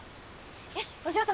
よしお嬢様